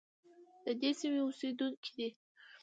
د دې سیمې اوسیدونکي دي.